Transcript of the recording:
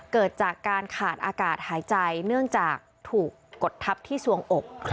เกิดจากการขาดอากาศหายใจเนื่องจากถูกกดทับที่สวงอก